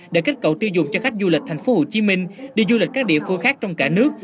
để kích cầu tiêu dùng cho khách du lịch tp hcm đi du lịch các địa phương khác trong cả nước